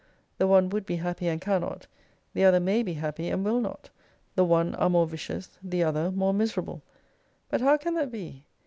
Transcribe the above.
The one would be happy and cannot, the other may be happy and will not. The one are more vicious, the other more miserable. But how can that be